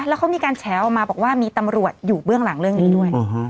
แล้วเขามีการแฉออกมาบอกว่ามีตำรวจอยู่เบื้องหลังเรื่องนี้ด้วย